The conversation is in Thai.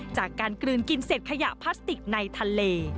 การกลืนกินเสร็จขยะพลาสติกในทะเล